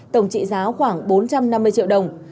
tổng trị giá khoảng bốn trăm năm mươi triệu đồng